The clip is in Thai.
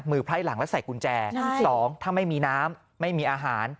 ไพร่หลังและใส่กุญแจ๒ถ้าไม่มีน้ำไม่มีอาหาร